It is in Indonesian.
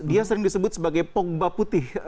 dia sering disebut sebagai pogba putih